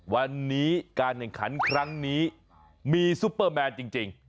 วันนี้การแข่งขันครั้งนี้มีซุปเปอร์แมนจริง